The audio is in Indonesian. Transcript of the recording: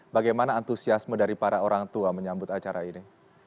bagaimana antusiasme dari para orang tua menyambut acara ini